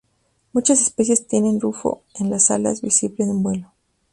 Muchas especies tienen rufo en las alas, visible en vuelo.